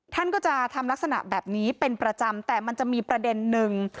ท่านก็จะทำลักษณะแบบนี้เป็นประจำแต่มันจะมีประเด็นนึง